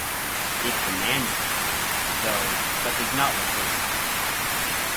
It demands it, though-but does not replace it.